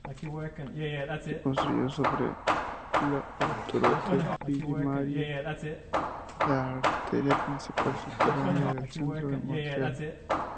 Se construyó sobre la autoroute Ville-Marie, la arteria principal subterránea del centro de Montreal.